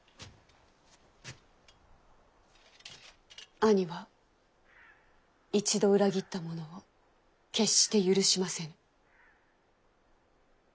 兄は一度裏切った者を決して許しませぬ。